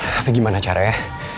tapi gimana caranya